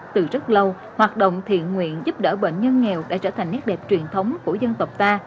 từ rất lâu hoạt động thiện nguyện giúp đỡ bệnh nhân nghèo đã trở thành nét đẹp truyền thống của dân tộc ta